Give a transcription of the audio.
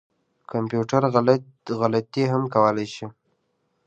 کمپیوټر غلطي هم کولای شي